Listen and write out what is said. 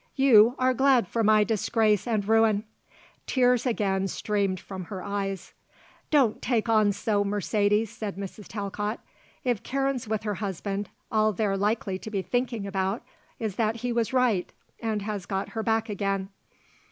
You are glad for my disgrace and ruin!" Tears again streamed from her eyes. "Don't take on so, Mercedes," said Mrs. Talcott. "If Karen's with her husband all they're likely to be thinking about is that he was right and has got her back again.